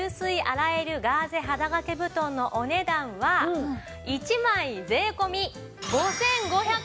洗えるガーゼ肌掛け布団のお値段は１枚税込５５００円です。